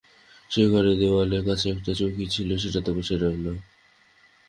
সে ঘরে দেওয়ালের কাছে একটা চৌকি ছিল সেইটেতে বসে রইল।